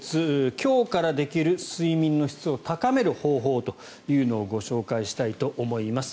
今日からできる睡眠の質を高める方法というのをご紹介したいと思います。